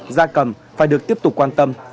da cầm phải được tiếp tục quan tâm